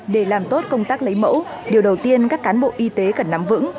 để làm tốt công tác lấy mẫu điều đầu tiên các cán bộ y tế cần nắm vững